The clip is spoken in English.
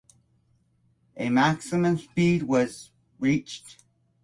A maximum speed of was reached.